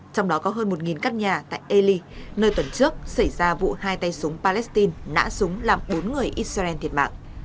trong đó có hơn một căn nhà tại ely nơi tuần trước xảy ra vụ hai tay sát